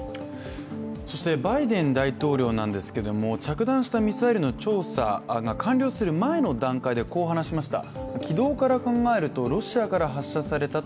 バイデン大統領なんですけれども着弾したミサイルの調査が完了する前の段階でこう話しました。